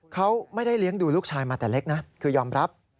เขาไม่ได้เลี้ยงดูลูกชายมาแต่เล็กนะคือยอมรับ